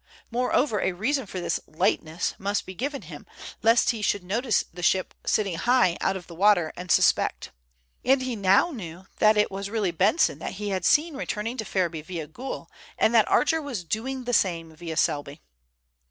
Moreover, a reason for this "lightness" must be given him, lest he should notice the ship sitting high out of the water, and suspect. And he now knew that it was really Benson that he had seen returning to Ferriby via Goole, and that Archer was doing the same via Selby.